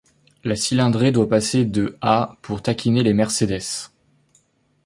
La cylindrée doit passer de à pour taquiner les Mercedes.